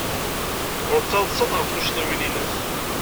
Ur ttaḍsat ɣef tuccḍiwin-nnes.